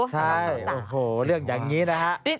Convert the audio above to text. ใช่โอ้โหเรื่องอย่างนี้นะฮะ